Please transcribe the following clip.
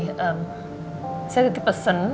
saya tadi pesen